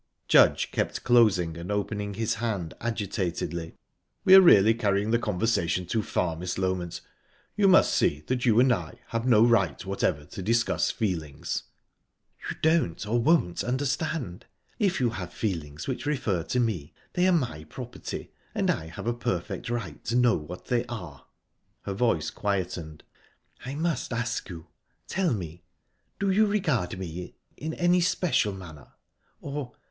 Judge kept closing and opening his hand agitatedly. "We are really carrying the conversation too far, Miss Loment. You must see that you and I have no right whatever to discuss feelings." "You don't or won't understand. If you have feelings which refer to me, they are my property, and I have a perfect right to know what they are." Her voice quietened. "I must ask you to tell me...Do you regard me...in any special manner? Or...